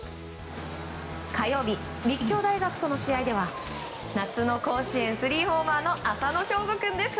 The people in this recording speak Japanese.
火曜日、立教大学との試合では夏の甲子園、３ホーマーの浅野翔吾君です。